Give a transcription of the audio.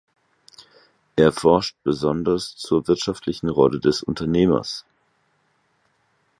Er forscht besonders zur wirtschaftlichen Rolle des Unternehmers.